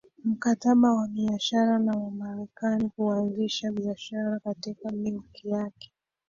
Mkataba wa Biashara na Wamerekani kuanzisha biashara katika milki yake